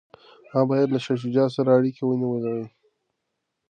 هغه باید له شاه شجاع سره اړیکي ونیولي وای.